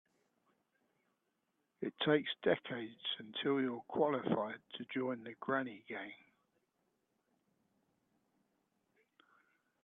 It takes decades until you're qualified to join the granny gang.